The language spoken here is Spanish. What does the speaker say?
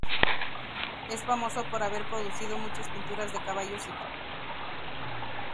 Es famoso por haber producido muchas pinturas de caballos y perros.